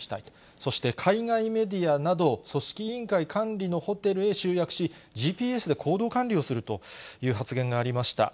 そして海外メディアなど、組織委員会管理のホテルへ集約し、ＧＰＳで行動管理をするという発言がありました。